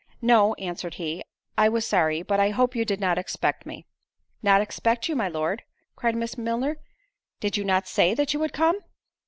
"No," answered he, "I was sorry; but I hope you did not expect me." "Not expect you, my Lord?" cried Miss Milner; "Did not you say that you would come?"